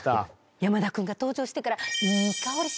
山田君が登場してから。